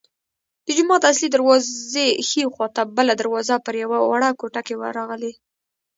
د جومات اصلي دروازې ښي خوا ته بله دروازه پر یوه وړه کوټه ورغلې.